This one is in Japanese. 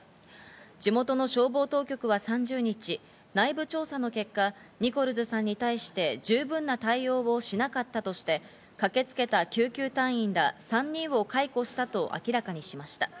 地元の消防当局は３０日、内部調査の結果、ニコルズさんに対して十分な対応をしなかったとして、駆けつけた救急隊員ら３人を解雇したと明らかにしました。